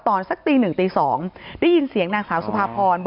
สักตี๑ตี๒ได้ยินเสียงนางสาวสุภาพร